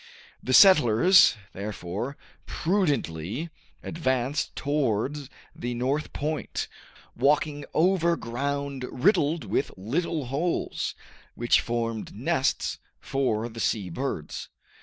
The settlers, therefore, prudently advanced towards the north point, walking over ground riddled with little holes, which formed nests for the sea birds.